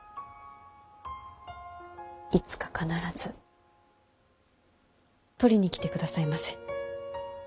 いつか必ず取りに来てくださいませ。